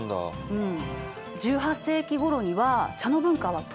うん。